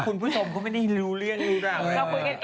คุณผู้ชมก็ไม่ได้รู้เรื่องอื่นหรอก